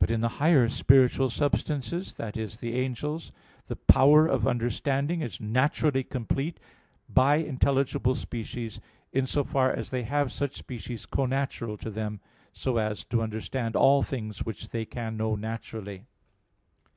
But in the higher spiritual substances that is, the angels the power of understanding is naturally complete by intelligible species, in so far as they have such species connatural to them, so as to understand all things which they can know naturally.